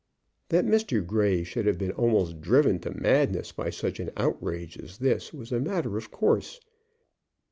That Mr. Grey should have been almost driven to madness by such an outrage as this was a matter of course.